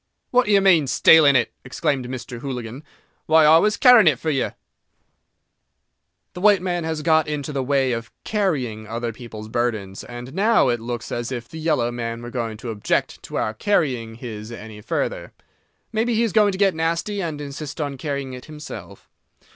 "What d'yer mean, stealing it?" exclaimed Mr. Hooligan. "Why, I was carrying it for yer!" The white man has got into the way of "carrying" other people's burdens, and now it looks as if the yellow man were going to object to our carrying his any further. Maybe he is going to get nasty, and insist on carrying it himself.